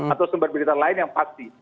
atau sumber berita lain yang pasti